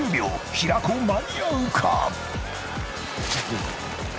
平子間に合うか？］